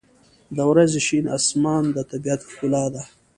• د ورځې شین آسمان د طبیعت ښکلا ده.